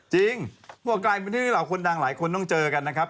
จริงบอกกลายเป็นที่ที่เหล่าคนดังหลายคนต้องเจอกันนะครับ